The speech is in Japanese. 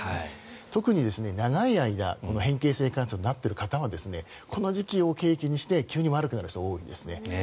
特に、長い間変形性関節症になってる方はこの時期を契機にして急に悪くなる人が多いですね。